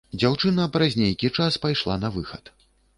Дзяўчына праз нейкі час пайшла на выхад.